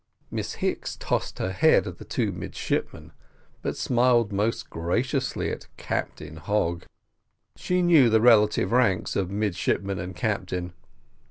Miss Hicks tossed her head at the two midshipmen, but smiled most graciously at Captain Hogg. She knew the relative ranks of midshipman and captain.